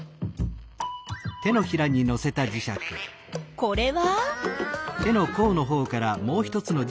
これは？